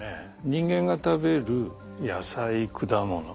人間が食べる野菜果物。